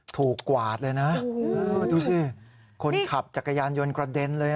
กวาดเลยนะดูสิคนขับจักรยานยนต์กระเด็นเลย